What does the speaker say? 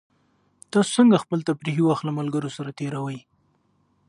تاسو څنګه خپل تفریحي وخت له ملګرو سره تېروئ؟